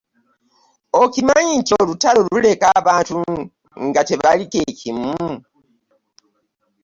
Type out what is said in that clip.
Okimanyi nti olutalo luleka abantu nga tebali kye kimu.